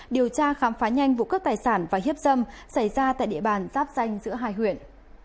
điều tra khám phá nhanh vụ cướp tài sản và hiếp dâm xảy ra tại địa bàn giáp danh giữa hai huyện